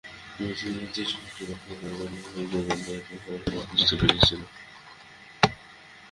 মেয়েটি নিজের ত্রুটি ব্যাখ্যা করে বললে, একজন বন্ধু আসার খবর পেয়ে খুঁজতে বেরিয়েছিলুম।